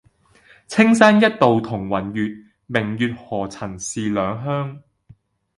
青山一道同雲雨，明月何曾是兩鄉